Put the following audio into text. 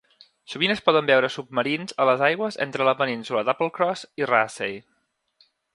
Sovint es poden veure submarins a les aigües entre la península d'Applecross i Raasay.